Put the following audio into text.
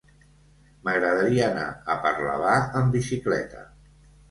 M'agradaria anar a Parlavà amb bicicleta.